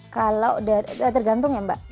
kalau tergantung ya mbak